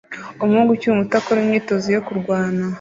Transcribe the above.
Umuhungu ukiri muto akora imyitozo yo kurwana